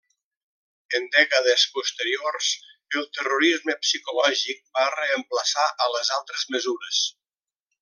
En dècades posteriors, el terrorisme psicològic va reemplaçar a les altres mesures.